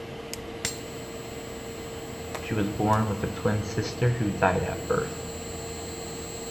She was born with a twin sister who died at birth.